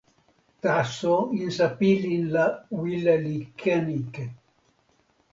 taso insa pilin la wile li ken ike.